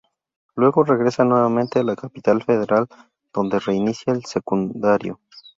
Luego regresan nuevamente a la capital federal, donde reinicia el secundario.